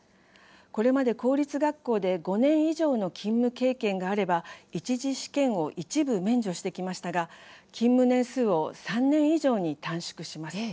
これまで公立学校で５年以上の勤務経験があれば一次試験を一部免除してきましたが勤務年数を３年以上に短縮します。